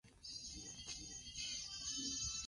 Zalamea comenzó su carrera como periodista.